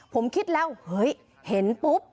ผมคิดแล้วเฮ้ยเห็นปุ๊บ